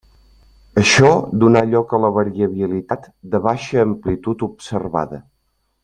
Això dóna lloc a la variabilitat de baixa amplitud observada.